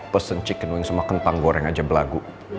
pesan chicken wing sama kentang goreng aja belagu